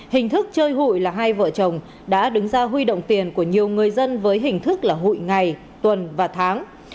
hình thức chơi hụi là hai vợ chồng đã đứng ra huy động tiền của nhiều người dân với hình thức là hụi ngày tuần và tháng